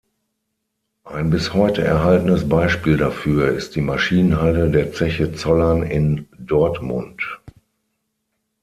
Ein bis heute erhaltenes Beispiel dafür ist die Maschinenhalle der Zeche Zollern in Dortmund.